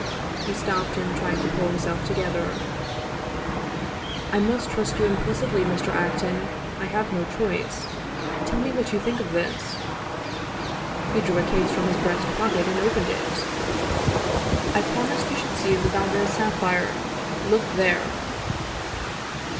He stopped an<i tried to pull himself together. " I must trust you implicitly, Mr. Acton, I have no choice. Tell me what you think of this." He drew a case from his breast pocket and opened it. " I promised you should see the Valdez sapphire. Look there!"